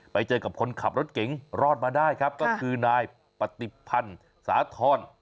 ไปเจอกับคนขับรถเก๋งรอดมาได้ครับก็คือนายปฏิพันธ์สาธรณ์